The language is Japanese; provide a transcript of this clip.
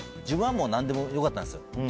自分は何でもよかったんです。